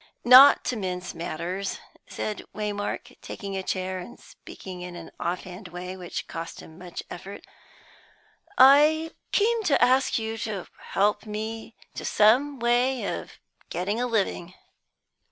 "Not to mince matters," said Waymark, taking a chair, and speaking in an off hand way which cost him much effort, "I came to ask you to help me to some way of getting a living."